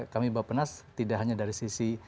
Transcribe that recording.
kami bapak penas tidak hanya dari sisi